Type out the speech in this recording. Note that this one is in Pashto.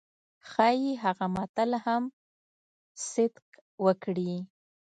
ښايي هغه متل هم صدق وکړي.